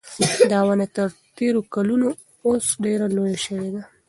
دا ونه تر تېرو کلونو اوس ډېره لویه شوې ده.